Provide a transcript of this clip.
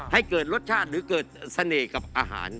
ให้เกิดรสชาติหรือเกิดเสน่ห์กับอาหาร